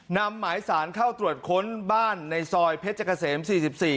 นำหมายสารเข้าตรวจค้นบ้านในซอยเพชรกะเสมสี่สิบสี่